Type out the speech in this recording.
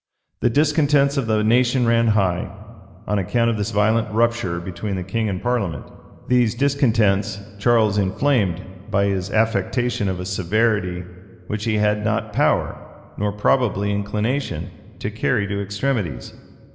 The discontents of the nation ran high, on account of this violent rupture between the king and parliament. These discontents Charles inflamed by his affectation of a severity which he had not power, nor probably inclination, to carry to extremities.